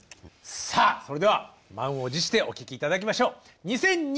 さあそれでは満を持してお聴き頂きましょう。